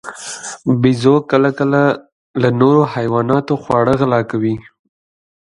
بیزو کله کله له نورو حیواناتو خواړه غلا کوي.